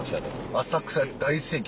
「浅草で大盛況！